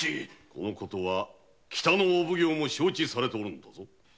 この事は北のお奉行も承知されておる。